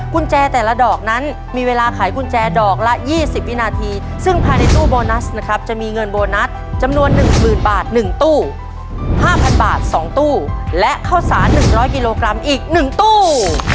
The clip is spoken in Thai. กุญแจแต่ละดอกนั้นมีเวลาขายกุญแจดอกละ๒๐วินาทีซึ่งภายในตู้โบนัสนะครับจะมีเงินโบนัสจำนวน๑๐๐๐บาท๑ตู้๕๐๐บาท๒ตู้และข้าวสาร๑๐๐กิโลกรัมอีก๑ตู้